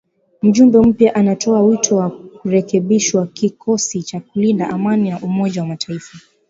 Mjumbe mpya anatoa wito wa kurekebishwa kikosi cha kulinda amani cha Umoja wa Mataifa.